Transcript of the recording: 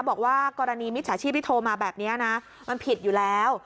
บอกว่ากรณีมิจฉาชีพที่โทรมาแบบนี้นะมันผิดอยู่แล้ว